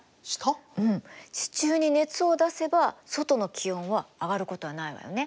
うん地中に熱を出せば外の気温は上がることはないわよね。